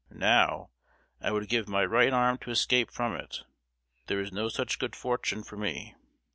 Now, I would give my right arm to escape from it; but there is no such good fortune for me.